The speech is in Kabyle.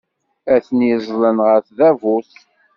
Atni ẓẓlen ɣef tdabut.